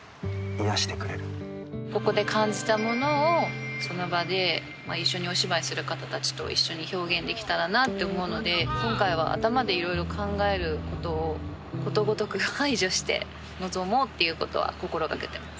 ここで感じたものをその場で一緒にお芝居する方たちと一緒に表現できたらなと思うので今回は頭でいろいろ考えることをことごとく排除して臨もうっていうことは心がけてます。